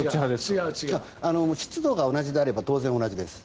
湿度が同じであれば当然、同じです。